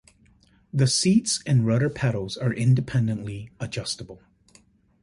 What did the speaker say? The seats and rudder pedals are independently adjustable.